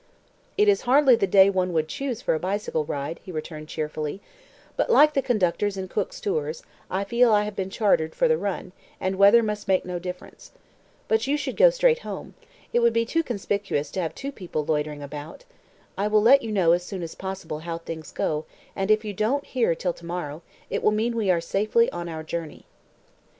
"It is hardly the day one would choose for a bicycle ride," he returned cheerfully; "but, like the conductors in Cook's Tours, I feel I have been chartered for the run, and weather must make no difference. But you should go straight home. It would be too conspicuous to have two people loitering about. I will let you know as soon as possible how things go, and if you don't hear till to morrow, it will mean we are safely on our journey."